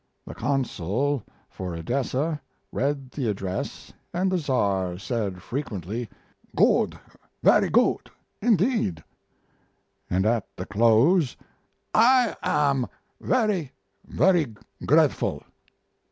The Consul for Odessa read the address and the Czar said frequently, "Good very good; indeed" and at the close, "I am very, very grateful."